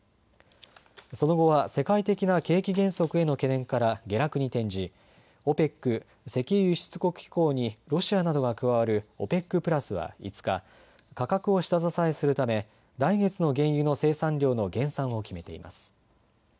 その後は世界的な景気減速への懸念から下落に転じＯＰＥＣ・石油輸出国機構にロシアなどが加わるＯＰＥＣプラスは５日、価格を下支えするため来月の原油の生産量の減産を決めています。